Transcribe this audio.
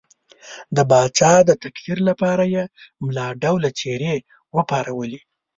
د پاچا د تکفیر لپاره یې ملا ډوله څېرې وپارولې.